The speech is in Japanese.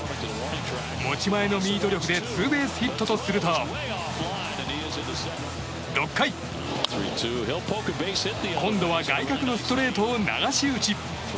持ち前のミート力でツーベースヒットとすると６回、今度は外角のストレートを流し打ち。